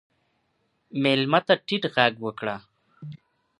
مېلمه ته ټیټ غږ وکړه.